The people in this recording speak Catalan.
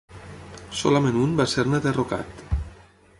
Solament un va ser-ne derrocat.